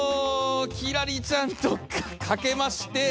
輝星ちゃんと掛けまして。